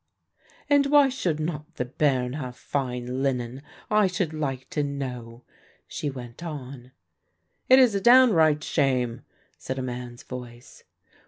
"And why should not the bairn have fine linen, I should like to know?" she went on. "It is a downright shame," said a man's voice.